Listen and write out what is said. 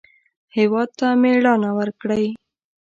هېواد ته مېړانه ورکړئ